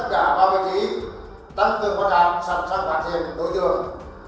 tất cả ba vị trí đã được bắt đạp sẵn sàng bản diện đối tượng